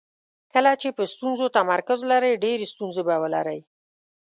کله چې په ستونزو تمرکز لرئ ډېرې ستونزې به ولرئ.